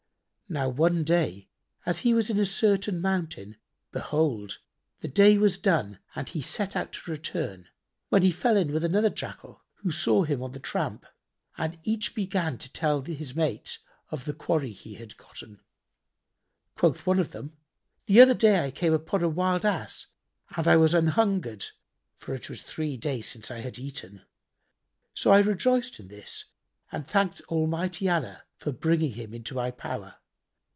Now one day, as he was in a certain mountain, behold, the day was done and he set out to return when he fell in with another Jackal who saw him on the tramp, and each began to tell his mate of the quarry he had gotten. Quoth one of them, "The other day I came upon a wild Ass and I was an hungred, for it was three days since I had eaten; so I rejoiced in this and thanked Almighty Allah for bringing him into my power.